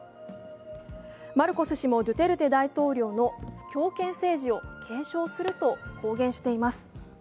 マルコス氏もドゥテルテ大統領の強権政治を継承すると公言しています。